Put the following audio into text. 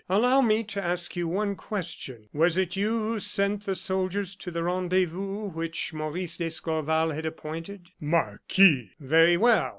"Allow me to ask you one question. Was it you who sent the soldiers to the rendezvous which Maurice d'Escorval had appointed?" "Marquis!" "Very well!